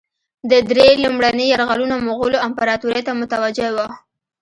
ده درې لومړني یرغلونه مغولو امپراطوري ته متوجه وه.